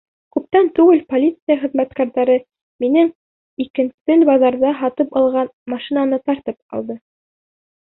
Күптән түгел полиция хеҙмәткәрҙәре минең икенсел баҙарҙа һатып алған машинаны тартып алды.